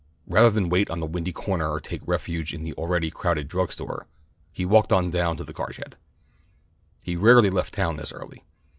Rather than wait on the windy corner or take refuge in the already crowded drug store, he walked on down to the car shed. He rarely left town this early.